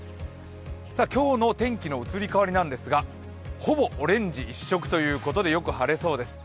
今日の天気の移り変わりですが、ほぼオレンジ一色ということでよく晴れそうです。